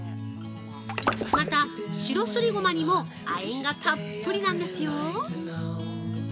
また、白すりごまにも亜鉛がたっぷりなんですよ。